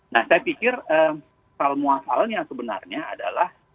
nah saya pikir salmua salm yang sebenarnya adalah